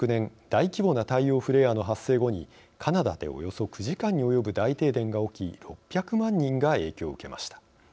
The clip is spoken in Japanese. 大規模な太陽フレアの発生後にカナダでおよそ９時間に及ぶ大停電が起き６００万人が影響を受けました。